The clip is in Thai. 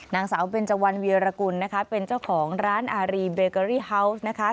นางสาวเป็นจวัลวีรกุลนะครับเป็นเจ้าของร้านอารีเบเกอรี่ฮาวส์นะครับ